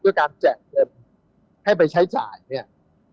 ด้วยการแจ่งเงินให้ไปใช้จ่าย